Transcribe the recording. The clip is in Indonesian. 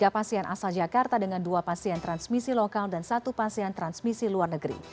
tiga pasien asal jakarta dengan dua pasien transmisi lokal dan satu pasien transmisi luar negeri